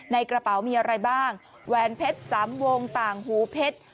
ในกระเป๋ามีอะไรบ้างแหวนเพชรสามวงต่างหูเพชร